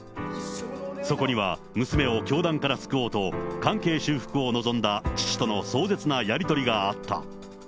そこには、娘を教団から救おうと、関係修復を望んだ父との壮絶なやり取りがあった。